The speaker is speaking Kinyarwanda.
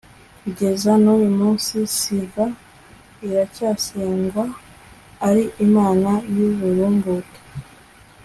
kugeza n’uyu munsi, siva iracyasengwa ari imana y’uburumbuke